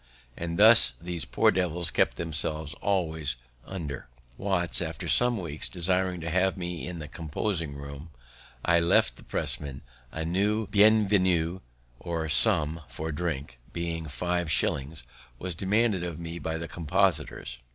And thus these poor devils keep themselves always under. [Illustration: "I took to working at press"] Watts, after some weeks, desiring to have me in the composing room, I left the pressmen; a new bien venu or sum for drink, being five shillings, was demanded of me by the compositors.